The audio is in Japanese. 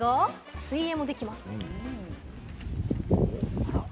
水泳もできます。